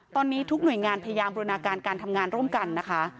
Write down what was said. ตอนนี้ทุกหน่วยงานพยายามบูรณาการการทำงานร่วมกันนะคะ